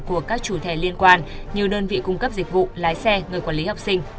của các chủ thể liên quan như đơn vị cung cấp dịch vụ lái xe người quản lý học sinh